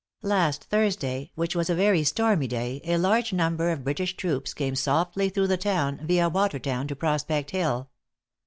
Last Thursday, which was a very stormy day, a large number of British troops came softly through the town via Watertown to Prospect Hill.